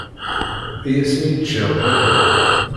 Ay asmi iččiɣ baba!